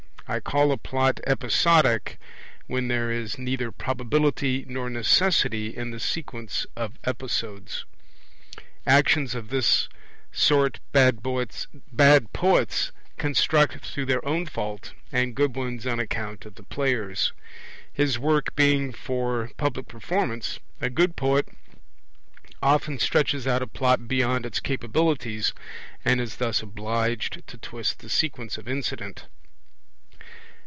I call a Plot episodic when there is neither probability nor necessity in the sequence of episodes. Actions of this sort bad poets construct through their own fault, and good ones on account of the players. His work being for public performance, a good poet often stretches out a Plot beyond its capabilities, and is thus obliged to twist the sequence of incident.